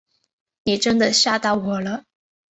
你真的吓到我了